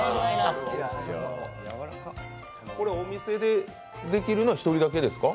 お店でできるのは１人だけですか？